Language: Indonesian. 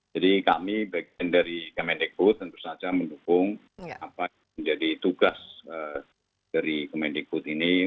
jadi kami bagian dari kementerian pendidikan dan kebudayaan tentu saja mendukung apa yang menjadi tugas dari kementerian pendidikan dan kebudayaan ini